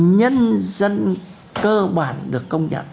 nhân dân cơ bản được công nhận